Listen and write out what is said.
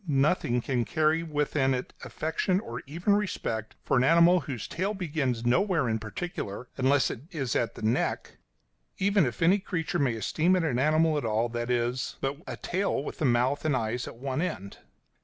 Nothing can carry within it affection, or even respect, for an animal whose tail begins nowhere in particular, unless it is at the neck; even if any creature may esteem it an animal at all that is but a tail with a mouth and eyes at one end.